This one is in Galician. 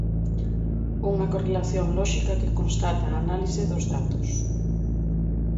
Unha correlación lóxica que constata a análise dos datos.